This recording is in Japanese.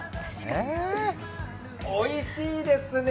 おいしいですね。